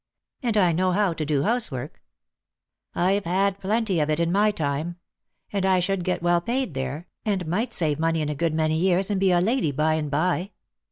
And I know how to do housework. I've had plenty of it in my time. And I should get well paid there, and might save money in a good many years, and be a lady by and by.